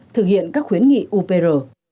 thực hiện các khuyến nghị upr